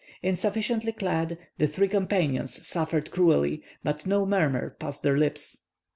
Insufficiently clad, the three companions suffered cruelly, but no murmur passed their lips.